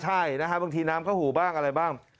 ใช่นะฮะบางทีน้ำเข้าหูบ้างอะไรบ้าง